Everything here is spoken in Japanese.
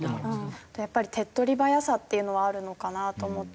あとやっぱり手っ取り早さっていうのはあるのかなと思ってて。